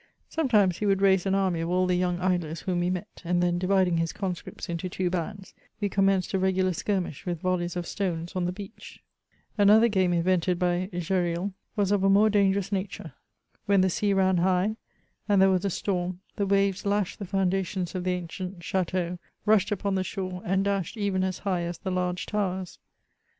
Sometimes, he would raise an army of* all the young idlers whom we met, and then, diyiding his conscripts into two hands, we commenced a re gular skirmish with volleys of stones on the heach. Another game invented hy Gesril was of a more dangerous nature. When the sea ran high, and there was a storm, the waves lashed the foundations of the ancient chateau, rushed upon the shore, and dashed even as high as the large towers.